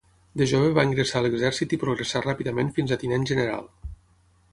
De jove va ingressar a l'exèrcit i progressà ràpidament fins a tinent general.